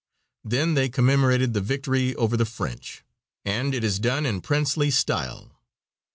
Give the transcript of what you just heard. Then they commemorated the victory over the French, and it is done in princely style.